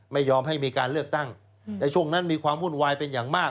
ไม่ยอมให้มีการเลือกตั้งในช่วงนั้นมีความวุ่นวายเป็นอย่างมาก